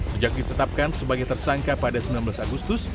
sejak ditetapkan sebagai tersangka pada sembilan belas agustus